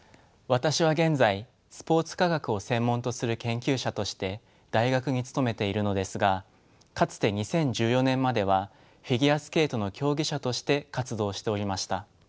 私は現在スポーツ科学を専門とする研究者として大学に勤めているのですがかつて２０１４年まではフィギュアスケートの競技者として活動しておりました。